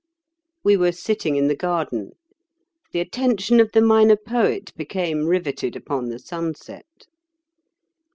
We were sitting in the garden. The attention of the Minor Poet became riveted upon the sunset.